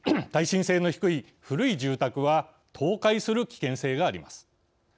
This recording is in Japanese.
耐震性の低い古い住宅は倒壊する危険性があります。